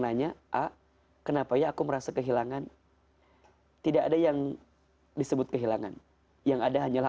nanya kenapa ya aku merasa kehilangan tidak ada yang disebut kehilangan yang ada hanyalah